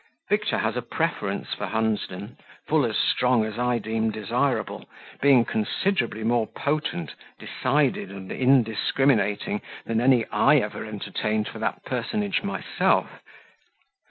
Victor has a preference for Hunsden, full as strong as I deem desirable, being considerably more potent, decided, and indiscriminating, than any I ever entertained for that personage myself.